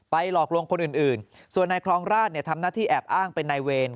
ไปหลอกลงคนอื่นส่วนในครองราชเนี้ยทำหน้าที่แอบอ้างเป็นในเวร